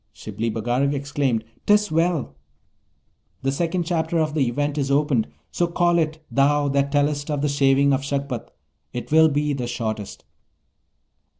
Shibli Bagarag exclaimed, ''Tis well! The second chapter of the Event is opened; so call it, thou that tellest of the Shaving of Shagpat. It will be the shortest.'